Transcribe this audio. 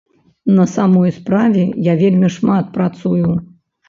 На самой справе, я вельмі шмат працую.